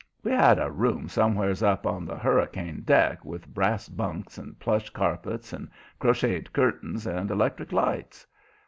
We had a room somewheres up on the hurricane deck, with brass bunks and plush carpets and crocheted curtains and electric lights.